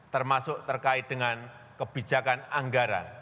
termasuk terkait dengan kebijakan anggaran